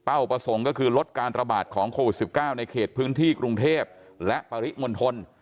ประสงค์ก็คือลดการระบาดของโควิด๑๙ในเขตพื้นที่กรุงเทพและปริมณฑล